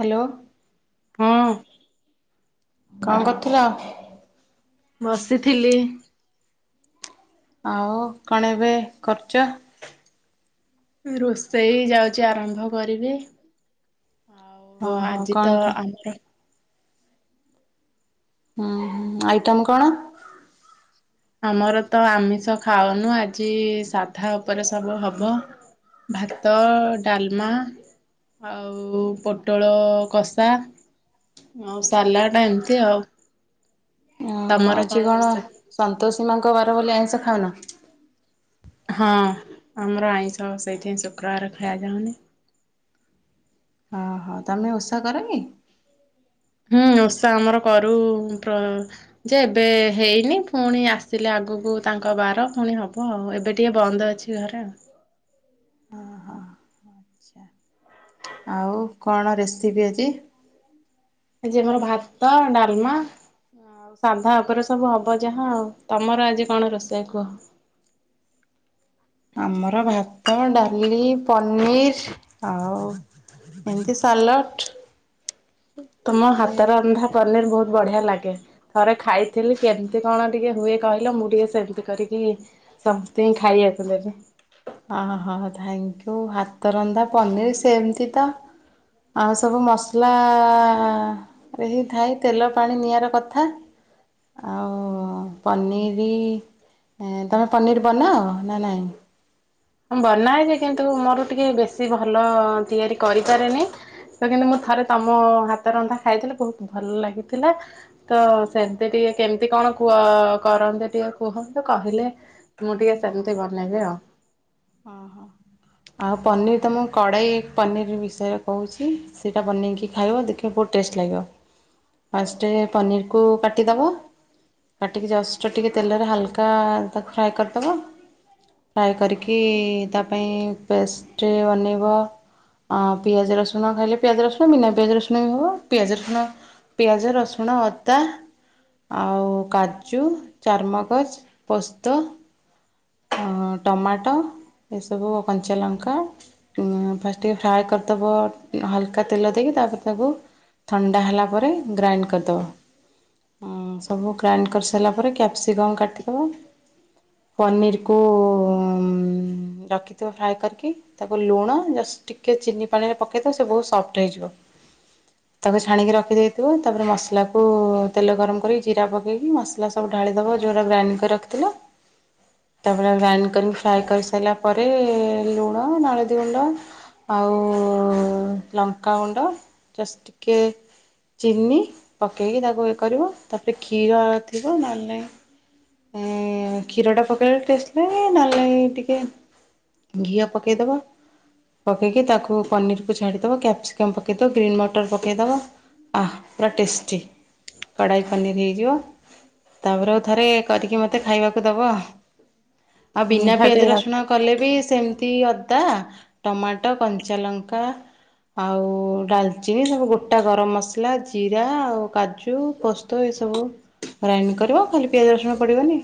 Hello ହଁ କନ କରୁଥିଲ ବସିଥିଲି ଆଉ କଣ ଏବେ କରୁଚ ଉଁ ରୋଷେଇ ଯାଉଚି ଆରମ୍ଭ କରିବି। ଆଉ ଓହୋ କଣ ଆଜିତ କ ଆମର ହୁଁ ହୁଁ ଆଇଟମ କଣ ଆମରତ ଆମିଷ ଖାଉନୁ ଆଜି ସାଧା ଉପରେ ସବୁ ହବ ଭାତ ଡାଲମା ଆଉ ପୋଟଳ କଷା ଆଉ ସାଲାଟ ଏମିତି ଆଉ ଓ ହୋ ତମର ଆଜି କଣ ରୋଷେଇ? ସନ୍ତୋଷୀ ମାଙ୍କ ବାର ବୋଲି ଆଇଁଷ ଖାଉନ ହଁ ଆମର ଆଇଁଷ ସେଇଥିପାଇଁ ଶୁକ୍ରବାର ଖାଇବା ଚାହୁଁନି। ଓଃ ତମେ ଓଷା କର କି? ହୁଁ ଓଷା ଆମର କରୁ ପ୍ର ଯେ ଏବେ ହେଇନି ଫୁଣି ଆସିଲେ ଆଗୁକୁ ତାଙ୍କ ବାର ଫୁଣି ହବ ଆଉ ଏବେ ଟିକେ ବନ୍ଦ ଅଛି। ଜିବାହେରି ଆଉ ଆଛା ଆଉ କଣ ରେସିପି ଆଜି? ଆଜି ଆମର ଭାତ, ଡାଲମା ଆଉ ସାଧା ଉପରେ ସବୁ ହବ ଯାହା ଆଉ ତମର ଆଜି କଣ ରୋଷେଇ କୁହ? ଆମର ଭାତ, ଡାଲି, ପନିର ଆଉ ଏମିତି ସାଲଟ୍। ତୁମ ହାତ ରନ୍ଧା ପନିର ବହୁତ ବଢିଆ ଲାଗେ। ଥରେ ଖାଇଥିଲି କେମିତି କଣ ଟିକେ ହୁଏ କହିଲ ମୁଁ ଟିକେ ସେମିତି କରିକି ସେମିତି ଖାଇବାକୁ ଦେବି। ଅ ହହ ଥାଙ୍କୟୁ ହାତ ରନ୍ଧା ପନିର ସେମତି ତ ଆଉ ସବୁ ମସଲା ରେହି ଥାଇ ତେଲ ପାଣି ନିଆଁର କଥା। ଆଉ ପନିରି ତୁମେ ପନିର ବନାଅ ନା ନହିଁ? ବନାଏ ଯେ କିନ୍ତୁ, ମୋର ଟିକେ ବେଶୀ ଭଲ ତିଆରି କରିପାରେନି। ତ କିନ୍ତୁ ମୁଁ ଥରେ ତମ ହାତ ରନ୍ଧା ଖାଇଥିଲି ବହୁତ ଭଲ ଲାଗିଥିଲା। ତ ସେମତି ଟିକେ କେମିତି କଣ କୁହ କରନ୍ତି ଟିକେ କୁହନ୍ତ କହିଲେ ମୁଁ ଟିକେ ସେମିତି ବନେଇବି ଆଉ। ଓହୋ ଆଉ ପନିର୍ ତ ମୁଁ କଡ଼ାଇ ପନିର ବିଷୟରେ କହୁଛି। ସେଇଟା ବନେଇକି ଖାଇବ ଦେଖିବ ବହୁତ ଟେଷ୍ଟ ଲାଗିବ। ଫାଷ୍ଟଟେ ପନିରକୁ କାଟିଦବ। କାଟିକି ଜଷ୍ଟ ଟିକେ ତେଲରେ ହାଲକା ତାକୁ ଫ୍ରାଏ କରିଦବ। ଫ୍ରାଏ କରି କି ତା ପାଇଁ ପେଷ୍ଟ୍ ବନେଇବ। ଆଁ ପିଆଜ ରସୁଣ ଖାଇଲେ ପିଆଜ ରସୁଣ, ବିନା ପିଆଜ ରସୁଣ ବି ହବ ପିଆଜ ରସୁଣ ପିଆଜ, ରସୁଣ, ଅଦା। ଆଉ କାଜୁ, ଚାରମଗଜ, ପୋସ୍ତ। ଟମାଟୋ ଏସବୁ କଞ୍ଚାଲଙ୍କା। ଫାଷ୍ଟ ଟିକେ ଫ୍ରାଏ କରିଦବ ହାଲକା ତେଲ ଦେଇକି ତାପରେ ତାକୁ ଥଣ୍ଡା ହେଲା ପରେ ଗ୍ରାଇଣ୍ଡ କରିଦବ। ସବୁ ଗ୍ରାଇଣ୍ଡ କରିସାରିଲା ପରେ କ୍ୟାପ୍ସିକମ୍ କାଟିଦେବ। ପନିରକୁ ରଖିଥିବ ଫ୍ରାଏ କରିକି। ତାକୁ ଲୁଣ ଜଷ୍ଟ ଟିକେ ଚିନି ପାଣିରେ ପକେଇଦବ ସେ ବହୁତ ସଫ୍ଟ ହେଇଯିବ। ତାକୁ ଛାଣିକି ରଖିଦେଇଥିବ ତାପରେ ମସଲା କୁ ତେଲ ଗରମ କରିକି ଜିରା ପକେଇକି ମସ ଲା ସବୁ ଢାଳିଦବ ଯେଉଁଟା ଗ୍ରାଇଣ୍ଡ କରି ରଖିଥିବ। ତାପରେ ଗ୍ରାଇଣ୍ଡ କରିକି ଫ୍ରାଏ କରିସାରିଲା ପରେ ଲୁଣ, ନଳଦୀଗୁଣ୍ଡ ଆଉ ଲଙ୍କାଗୁଣ୍ଡ ଜଷ୍ଟ ଟିକେ। ଚିନି ପକାଇକି ତାକୁ ଇଏ କରିବ ତାପରେ କ୍ଷୀର ଥିବ ନହେଲେନାଇଁ ହମ୍ କ୍ଷୀର ଟା ପକେଇଲେ ଟେଷ୍ଟ ଲାଗେ ନହେଲେ ନାଇଁ ଟିକେ ଘିଅ ପକେଇଦବ। ପକେଇକି ତାକୁ ପନିରକୁୁ ଛାଡ଼ିଦବ କ୍ୟାପ୍ସିକମ୍ ପକେଇଦ, ଗ୍ରୀନ୍ ମଟର ପକେଇଦବ। ଆହାଃ ପୁରା ଟେଷ୍ଟି କଢ଼ାଇ ପନିର୍ ହେଇଯିବ। ତାପରେ ଆଉ ଥରେ କରିକି ମୋତେ ଖାଇବାକୁ ଦେବ। ଆଉ ବିନା ନିହାତି ପିଆଜ ଭାବେ ରସୁଣ କଲେ ବି ସେମିତି ଅଦା, ଟମାଟୋ, କଞ୍ଚାଲଙ୍କା ଆଉ ଡାଲଚିନି ସବୁ ଗୋଟା ଗରମ ମସଲା ଜିରା ଆଉ କାଜୁ ପୋ ସ୍ତ ଏସବୁ ଗ୍ରାଇଣ୍ଡ କରିବ ଖାଲି ପିଆଜ ରସୁଣ ପଡ଼ିବନି।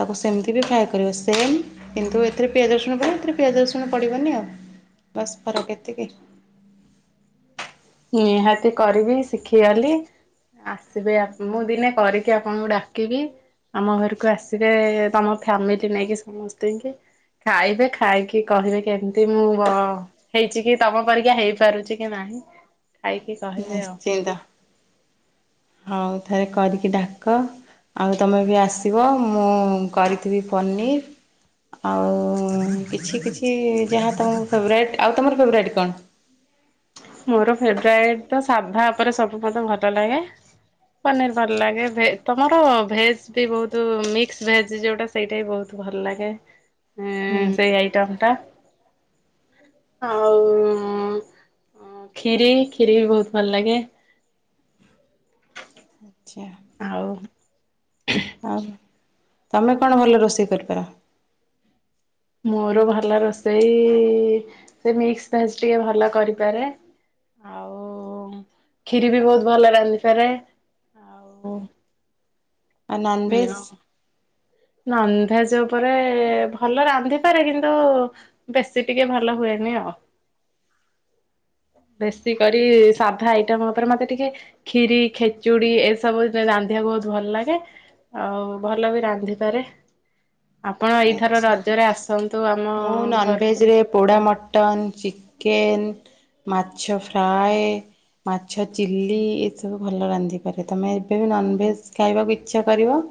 ତାକୁ ସେମିତି ବି ଫ୍ରାଏ କରିବ ସେମ୍ କିନ୍ତୁ, ଏଥିରେ ପିଆଜ ରଷୁଣ ପଡ଼ିବ ଏଥିରେ ପିଆଜ ରଷୁଣ ପଡ଼ିବନି ଆଉ। ବାସ୍ ଫରକ ଏତିକି। ନିହାତି କରିବି ଶିଖିଗଲି। ଆସିବେ ଆପଣ ମୁଁ ଦିନେ କରିକି ଆପଣଙ୍କୁ ଡାକିବି। ଆମ ଘରକୁ ଆସିବେ ତମ ଫ୍ୟାମିଲି ନେଇକି ସମସ୍ତେ ଙ୍କି। ଖାଇବେ ଖାଇକି କହିବେ କେମିତି ମୁଁ ଅ ହେଇଛି କି ତମ ପରିକା ହେଇ ପାରୁଛି। କି ନାହିଁ? ଖାଇକି କହିବେ ଆଉ ନିଶ୍ଚିନ୍ତ। ଆଉ ଥରେ କରିକି ଡାକ। ଆଉ ତମେ ବି ଆସିବ। ମୁଁ କରି ଥିବି ପନିର୍। ଆଉ କିଛି କିଛି ଯାହା ତମ ଫେବ୍ରାଇଟ୍। ଆଉ ତମର ଫେବ୍ରାଇଟ୍ କଣ? ମୋର ଫେବ୍ରାଇଟ୍ ତ ସାଧା ଉପରେ ସବୁ ମତେ ଭଲ ଲାଗେ। ପନିର୍ ଭଲ୍ ଲାଗେ ଭେଜ୍ ତମର ଭେଜ୍ ବି ବହୁତ୍ ମିକ୍ସ ଭେଜ୍ ଯୋଉଟା ସେଇଟା ବି ବୋହୁତ୍ ଭଲ ଲାଗେ। [inaudible] ହେଁ ଏ ହୁଁ। ସେଇ ଆଇଟମ୍ ଟା ଆଉ କ୍ଷୀରି କ୍ଷୀରି ବି ବୋହୁତ୍ ଭଲ ଲାଗେ। ଆଚ୍ଛା। ଆଉ। ଆଉ ତମେ କଣ ଭଲ ରୋଷେଇ କରିପାର। ମୋର ଭଲ ରୋଷେଇ ସେ ମିକ୍ସ ଭେଜ୍ ଟା ଟିକେ ଭଲ କରିପାରେ। ଆଉ କ୍ଷୀରି ବି ବହୁତ୍ ଭଲ ରାନ୍ଧିପାରେ। ଆଉ ଆଉ ନନ୍ଭେଭେଜ୍। ନନ୍ଭେଭେଜ୍ ଉପରେ ଭଲ ରାନ୍ଧିପାରେ କିନ୍ତୁ ବେଶୀ ଟିକେ ଭଲ ହୁଏନି ଆଉ। ବେଶୀ କରି ସାଧା ଆଇଟମ୍ ଉପରେ ମତେ ଟିକେ କ୍ଷୀରି ଖେଚୁଡ଼ି ଏସବୁ ରାନ୍ଧିବାକୁ ବୋହୁତ୍ ଭଲ ଲାଗେ। ଆଉ ଭଲ ବି ରାନ୍ଧିପାରେ। ଆପଣ ଏଇ ଥର ଆଚ୍ଛା। ରଜରେ ଆସନ୍ତୁ ଆମ ମୁଁ ଘରକୁ। ନନଭେଜରେ ପୋଡ଼ା ମଟନ୍ ଚିକେନ୍ ମାଛ ଫ୍ରାଏ। ମାଛ ଚିଲି ଏସବୁ ଭଲ ରାନ୍ଧିପାରେ ତମେ ଏବେ ବି ନନ୍ଭେଭେଜ୍ ଖାଇବାକୁ ଇଚ୍ଛା କରିବ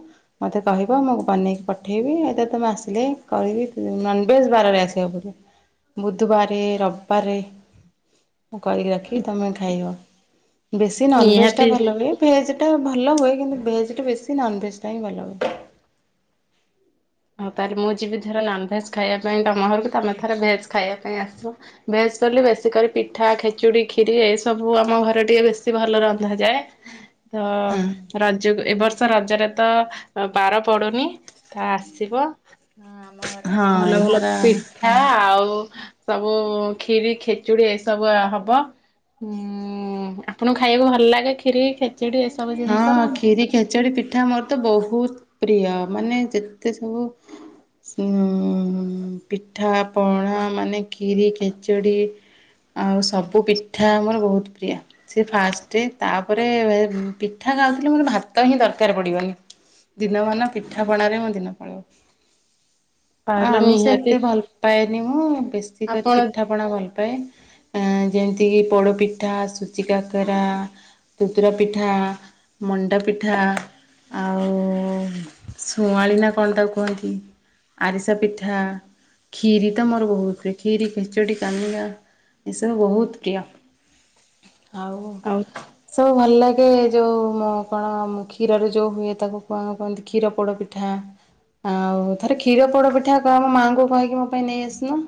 ମତେ କହିବ ମୁଁ ବନେଇକି ପଠେଇବି ଏତେ ତମେ ଆସିଲେ କହିବି ଏ ନନ୍ଭେଭେଜ୍ ବାରରେ ଆସିବାକୁ ପଡ଼ିବ। ବୁଧୁବାରେ ରବିବାରେ। ମୁଁ କରିକି ରଖିବି ତମେ ଖାଇବ ବେଶୀ ନନ୍ଭେଭେଜ୍ ଟା ନିହାତି ଭଲ ହୁଏ। ଭେଜ୍ ଟା ଭଲ ହୁଏ କିନ୍ତୁ ଭେଜ୍ ଠୁ ବେଶୀ ନନ୍ଭେଭେଜ୍ ଟା ହିଁ ଭଲ ହୁଏ। ହଉ ତାହେଲେ ମୁଁ ଯିବି ଥରେ ନନ୍ଭେଭେଜ୍ ଖାଇବା ପାଇଁ ତମ ଘରକୁ ତମେ ଥର ଭେଜ୍ ଖାଇବା ପାଇଁ ଆସିବ। ଭେଜ୍ କଲେ ବେଶୀ କରି ପିଠା ଖେଚୁଡ଼ି କ୍ଷୀରି ଏ ସବୁ ଆମ ଘରେ ଟିକେ ବେଶୀ ଭଲ ରନ୍ଧା ଯାଏ। [inaudible] ହଁ ରଜକୁ ଏବ ବର୍ଷ ରଜରେ ତ ବାର ପଡୁନି ତ ଆ। ହଁ [unintelligible] ଏଥର ଠା ଆଉ ସବୁ କ୍ଷୀରି ଖେଚୁଡ଼ି ଏସବୁ ଆଁ ହବ। ଆପଣଙ୍କୁ ଖାଇବାକୁ ଭଲ ଲାଗେ କ୍ଷୀରି ଖେଚୁଡି ଚିଡିବେ ସମସ୍ତେ। ହଁ କ୍ଷୀରି ଖେଚେଡ଼ି ପିଠା ମୋର ତ ବୋହୁତ୍ ପ୍ରିୟ ମାନେ ଯେତେ ସବୁ ସବୁ ପିଠା ପଣା ମାନେ କ୍ଷୀରି ଖେଚେଡ଼ି ଆଉ ସବୁ ପିଠା ଆମର ବୋହୁତ୍ ପ୍ରିୟ ସେ ଫାଷ୍ଟେ ତାପରେ ପିଠା ଖାଉଥିଲେ ମୋର ଭାତ ହିଁ ଦରକାର ପଡ଼ିବନି ଦିନମାନ ପିଠା ପଣାରେ ମୋ ଦିନ ପଳେଇବ। ଆଉ ତାହେଲେ ଆମିଷ ନିହାତି ଏତେ ଭଲ୍ ପାଏନି ମୁଁ ବେଶୀ କରି ଆପଣ ପିଠା ପଣା ଭଲ୍ ପାଏ ଯେମିତି କିି ପୋଡ ପିଠା ସୁଜି କାକେରା ସୁଜିର ପିଠା। ମଣ୍ଡା ପିଠା ଆଉ ଶୁଆଁଳି କଣ ତାକୁ କୁହନ୍ତି। ଆରିସା ପିଠା ଖକ୍ଷୀରି ତ ଆମର ବୋହୁତ୍ ହୁଏ କ୍ଷୀରି ଖେଚେଡ଼ି କାନିକା ଏସବୁ ବୋହୁତ୍ ପ୍ରିୟ ଆଉ ସବୁ ଭଲ ଲାଗେ। ଯୋଉ ମ କଣ କ୍ଷୀରରୁ ଯୋଉ ହୁଏ ତାକୁ କଣ କହନ୍ତି କ୍ଷୀର ପୋଡ ପିଠା। ଆଉ ଥରେ କ୍ଷୀର ପୋଡ ପିଠା କହିବ ମାଆଙ୍କୁ କହିକି ମୋ ପାଇଁ ନେଇ ଆସିଲ।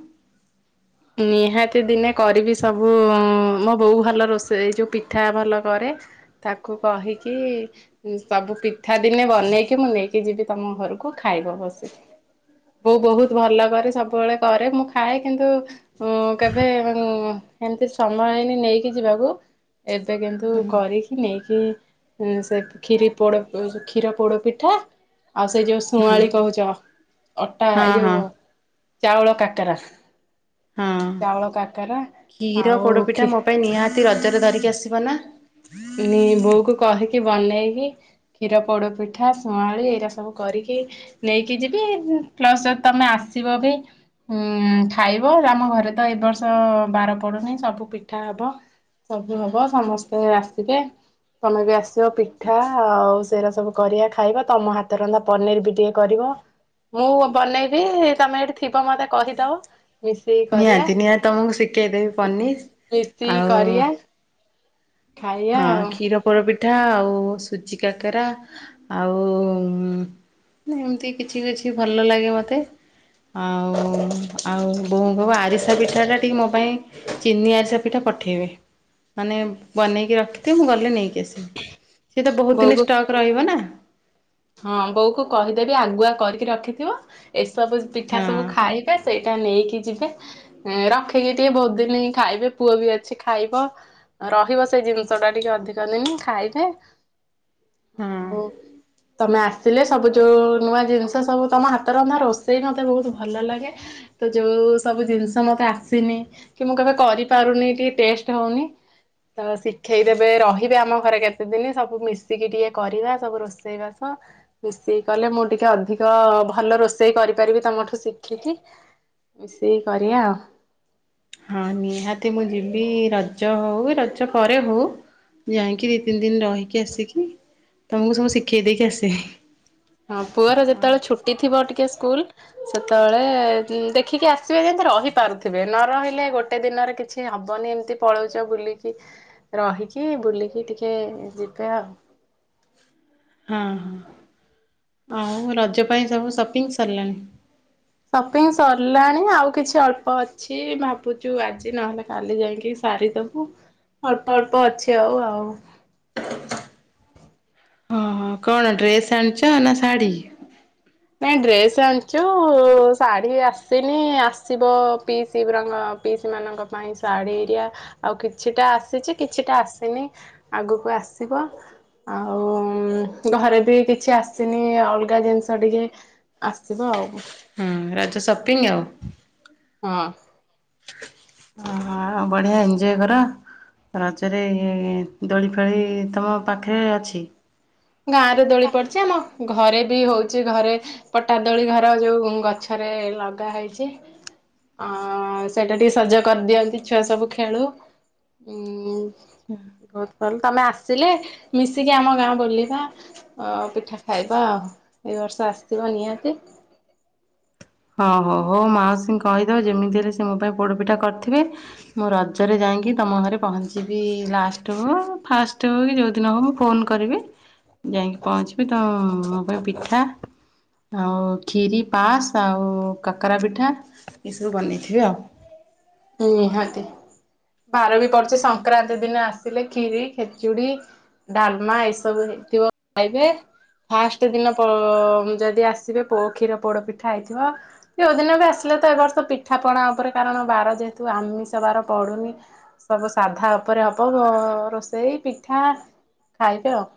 ନିହାତି ଦିନେ କରିବି ସବୁ ମୋ ବୋଉ ଭଲ ରୋଷେଇ ଏ ଯୋଉ ପିଠା ଭଲ କରେ। ତାକୁ କହିକି ସବୁ ପିଠା ଦିନେ ବନେଇକି ମୁଁ ନେଇକି ଯିବି ତମ ଘରକୁ ଖାଇବ। ମୁଁ ବହୁତ ଭଲ କରେ ସବୁବେଳେ କରେ ମୁଁ ଖାଏ କିନ୍ତୁ ଉଁ କେବେ ଏମିତି ସମୟ ହେଇନି ନେଇକି ଯିବାକୁ। ଏବେ କିନ୍ତୁ କରି କି ନେଇକି ସେ କ୍ଷିରୀ ପୋଡ଼ କ୍ଷୀର ପୋଡ ପିଠା। ଆଉ ସେଇ ଯୋଉ ଶଆଁଳି କହୁଛ ଅଟା ଏ ହଁ ହଁ ଯୋଉ ଚାଉଳ କାକରା। ହଁ ଚାଉଳ କାକରା କ୍ଷୀର ଆଉ ପୋଡ଼ପିଠା ଖି ମୋ ପାଇଁ ନିହାତି ରଜରେ ଧରିକି ଆସିବ ନା। ନି ବୋଉକୁ କହିକି ବନେଇକି କ୍ଷୀର ପୋଡ଼ ପିଠା ଶୁଆଁଳି ଏଇରା ସବୁ କରିକି ନେଇକି ଯିବି ପ୍ଲସ ତମେ ଆସିବ ବି। ଉଁ ଖାଇବ ଆମ ଘରେ ତ ଏ ବର୍ଷ ବାର ପଡୁନାହିଁ ସବୁ ପିଠା ହବ। ସବୁ ହବ ସମସ୍ତେ ଆସିବେ। ତମେ ବି ଆସିବ ପିଠା ଆଉ ସେଇଟା ସବୁ କରିବା ଖାଇବା ତମ ହାତ ରନ୍ଧା ପନିର ବି ଟିକେ କରିବ। ମୁଁ ବନେଇବି ତମେ ଏଇଠି ଥିବ ମତେ କହିଦବ। ମିଶିକି କରିବା ନିହାତି ନିହାତି ତମକୁ ଶିଖେଇଦେବି ପନିର୍ ମିଶିକି ଆଉ କରିବା। ଖାଇବା ହଁ ଆଉ କ୍ଷୀର ପୋଡ଼ ପିଠା ଆଉ ସୁଜି କାକରା ଆଉ ଏମିତି କିଛି କିଛି ଭଲ ଲାଗେ ମୋତେ। ଆଉ ଆଉ ବୋଉଙ୍କ ଆରିସ ପିଠା ଟା ଟିକେ ମୋ ପାଇଁ ଚିନି ଆରିସା ପିଠା ପଠେଇବେ ମାନେ ବନେଇକି କି ରଖିଥିବୁ ମୁଁ ଗଲେ ନେଇକି ଆସିବି ସିଏ ତ ବହୁତ ଦିନ ବୋଉକୁ ଷ୍ଟକ୍ ରହିବ ନା। ହଁ ବୋଉ କୁ କହିଦେବି ଆଗୁଆ କରିକି ରଖିଥିବ ଏସବୁ ପିଠା ହଁ ସବୁ ଖାଇ ସେଇଟା ନେଇକି ଯିବେ ରଖିକି ଟିକେ ବହୁତ ଦିନ ହିଁ ଖାଇବେ ପୁଅ ବି ଅଛି ଖାଇବ। ରହିବ ସେଇ ଜିନିଷ ଟା ଟିକେ ଅଧିକ ଦିନ ଖାଇବେ। ହଁ। ଆଉ ତମେ ଆସିଲେ ସବୁ ଯୋଉ ନୂଆ ଜିନିଷ ସବୁ ତମ ହାତ ରନ୍ଧା ରୋଷେଇ ମୋତେ ବହୁତ ଭଲ ଲାଗେ। ତ ଯୋଉ ସବୁ ଜିନିଷ ମତେ ଆସେନି କି ମୁଁ କେବେ କରିପାରୁନି ଟିକେ ଟେଷ୍ଟ ହଉନି। ତ ଶିଖେଇଦେବେ ରହିବେ ଆମ ଘରେ କେତେଦିନ ସବୁ ମିଶିକି ଟିକେ କରିବା ସବୁ ରୋଷେଇ। ରୋଷେଇ ବାସ। ମିଶିକି କଲେ ମୁଁ ଟିକେ ଅଧିକ ଭଲ ରୋଷେଇ କରିପାରିବି ତମଠୁ ଶିଖିକି। ମିଶିକି କରିବା ଆଉ। ହଁ ନିହାତି ମୁଁ ଯିବି ରଜ ହଉ ରଜ ପରେ ହଉ। ଯାଇଁକି ଦି ତିନି ଦିନ ରହିକି ଆସିବିତମକୁ ସବୁ ଶିଖେଇ ଦେଇକି ଆସିବି। ହଁ ପୁଅର ହଁ ଯେତେବେଳେ ହଁ। ଛୁଟି ଥିବ ଟିକେ ସ୍କୁଲ ସେତେବେଳେ ଦେଖିକି ଆସିବେ ଯେମିତି ରହିପାରୁଥିବେ ନ ରହିଲେ ଗୋଟେ ଦିନରେ କିଛି ସେମିତି ହବନି ଏମିତି ପଳଉଛ ବୁଲିକି ରହିକି ବୁଲିକି ଟିକେ ଯିବେ ଆଉ। ହଁ ଆଉ ରଜ ପାଇଁ ସବୁ ସପିଙ୍ଗ ସରିଲାଣି। ସପିଙ୍ଗ ସରିଲାଣି ଆଉ କିଛି ଅଳ୍ପ ଅଛି ଭାବୁଛୁ ଆଜି ନହେଲେ କାଲି ଯାଇକି ସାରିଦବୁ ଅଳ୍ପ ଅଳ୍ପ ଅଛି ଆଉ ଆଉ। ହଁ ହଁ କଣ ଡ୍ରେସ୍ ଆଣିଛ ନା ଶାଢ଼ୀ? ନାଇଁ ଡ୍ରେସ୍ ଆଣିଛୁ ଶାଢ଼ୀ ଆସିନି ଆସିବ ପିଇସି ଗୁରାଙ୍କ ପିଇସି ମାନଙ୍କ ପାଇଁ ଶାଢ଼ୀ ଏରିଆ ଆଉ କିଛିଟା ଆସିଛି କିଛିଟା ଆସିନି। ଆଗକୁ ଆସିବ। ଆଉ ଘରେ ବି କିଛି ଆସିନି ଅଲଗା ଜିନିଷ ଟିକେ। ଆସିବ ଆଉ। ହୁଁ ରଜ ସପିଙ୍ଗ ଆଉ। ହଁ। ଅହ ବଢିଆ ଏଞ୍ଜୟ କର। ରଜରେ ଇ ଦୋଳି ଫାଳି ତମ ପାଖରେ ଅଛି। ଗାଁ ରେ ଦୋଳି ପଡିଛି ଆମ ଘରେ ବି ହଉଛି ଘରେ। ପଟାଦୋଳି ଘର ଯୋଉ ଗଛରେ ଲଗା ହେଇଛି। ଅ ସେଟା ଟିକେ ସଜ କରିଦିଅନ୍ତି ଛୁଆ ସବୁ ଖେଳୁ ଉଁ। ଆଚ୍ଛା। ବହୁତ ଭଲ ତମେ ଆସିଲେ ମିଶିକି ଆମ ଗାଁ ବଲି। ପିଠା ଖାଇବ ଆଉ ଏଇ ବର୍ଷ ଆସିଥିବ ନିହାତି। ହଁ ହୋ ହଉ ମାଉସୀ କହିଦେବେ ଯେମିତି ହେଲେ ସେ ମୋ ପାଇଁ ପୋଡପିଠା କରିଥିବେ। ମୁଁ ରଜରେ ଯାଇକି ତମ ଘରେ ପହଞ୍ଚିବି ଲାଷ୍ଟ ହଉ ଫାଷ୍ଟ ହେଉ କି ଯେଉଁଦିନ ହଉ। ଫୋନ୍ କରିବି ଯାଇକି ପହଞ୍ଚିବି ତ ମୋ ପାଇଁ ପିଠା। ଆଉ ଖିରି ପାସ୍ ଆଉ କାକାରା ପିଠା ଏସବୁ ବନେଇଥିବେ ଆଉ। ନିହାତି ବାର ବି ପଡୁଛି ସଂକ୍ରାନ୍ତି ଦିନ ଆସିଲେ ଖିରି ଖେଚୁଡି। ଡାଲମା ଏଇସବୁ ହେଇଥିବ ଖାଇବେ। ଫାଷ୍ଟ ଦିନ ଅ ଯଦି ଆସିବେ କ୍ଷୀର ପୋଡ ପିଠା ହେଇଥିବ। ଯଉ ଦିନ ବି ଆସିଲେ ତ ଏ ବର୍ଷ ପିଠା ପଣା ଉପରେ କାରଣ ବାର ଯେହେତୁ ଆମିଷ ବାର ପଡୁନି। ସବୁ ସାଧା ଉପରେ ହବ ରୋଷେଇ ପିଠା ଖାଇବେ ଆଉ।